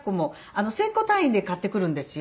１０００個単位で買ってくるんですよ